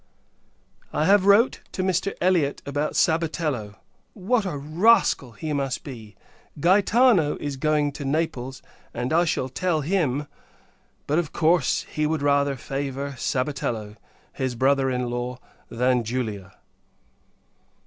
I have wrote to Mr. Elliot about Sabatello. What a rascal he must be! Gaetano is going to Naples, and I shall tell him; but, of course, he would rather favour Sabatello, his brother in law, than Julia.